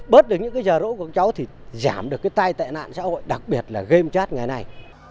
bớt được những cái giờ rỗ của các cháu thì giảm được cái tai tệ nạn xã hội đặc biệt là game chat ngày nay